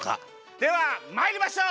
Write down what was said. ではまいりましょう！